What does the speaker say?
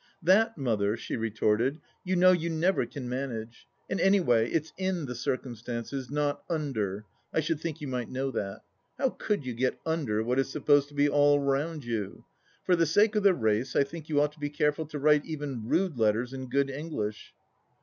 " That, Mother," she retorted, " you know you never can manage. And any way it's in the circumstances, not under — I should think you might know that. How could you get under what is supposed to be all round you ? For the sake of the race I think you ought to be careful to write even rude letters in good English."